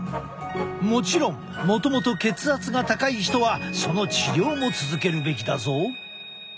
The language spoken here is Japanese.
もちろんもともと血圧が高い人はその治療も続けるべきだぞ。